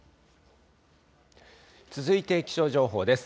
続いて気象情報です。